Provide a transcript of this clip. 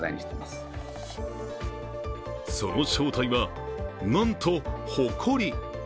その正体は、なんとほこり。